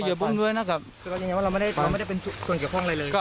ก็คุณตามมาอยู่กรงกีฬาดครับ